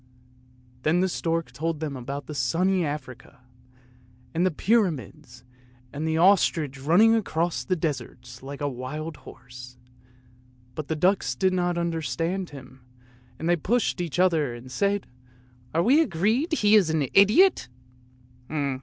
" Then the stork told them about sunny Africa, and the pyra mids, and the ostrich running across the deserts like a wild horse ; but the ducks did not understand him, and they pushed each other and said, " Are we agreed that he is an idiot?